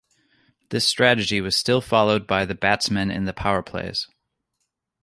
This strategy was still followed by the batsmen in the Powerplays.